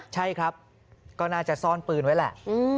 ใช่ครับก็น่าจะซ่อนปืนไว้แหละ